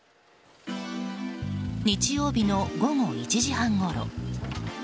日曜日の午後１時半ごろ。